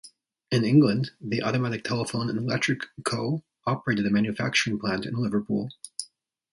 In England, The Automatic Telephone and Electric Co operated a manufacturing plant in Liverpool.